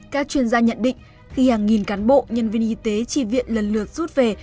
các chuyên gia nhận định khi hàng nghìn cán bộ nhân viên y tế tri viện lần lượt rút về